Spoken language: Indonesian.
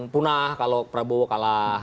punah kalau prabowo kalah